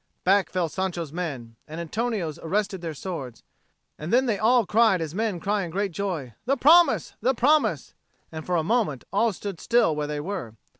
Back fell Sancho's men, and Antonio's arrested their swords. And then they all cried as men cry in great joy, "The promise! the promise!" And for a moment all stood still where they were.